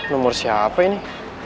nomor siapa ini